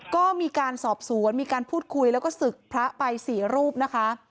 ก็มีการสอบสวนมีการพูดคุยแล้วก็ศึกพระไป๔รูปนะคะ